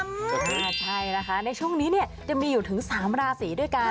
ใช่ค่ะในช่วงนี้จะมีอยู่ถึง๓ปีราศีด้วยกัน